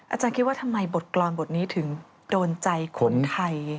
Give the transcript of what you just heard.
อาจารย์คิดว่าทำไมบทกรรมบทนี้ถึงโดนใจคนไทย